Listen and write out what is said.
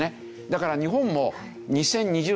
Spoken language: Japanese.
だから日本も２０２０年